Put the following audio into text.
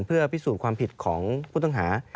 เพื่อพิสูจน์ความผิดของผู้ต้องหา